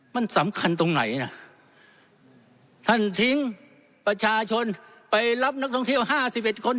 มันสำคัญตรงไหนนะท่านทิ้งประชาชนไปรับนักท่องเที่ยวห้าสิบเอ็ดคน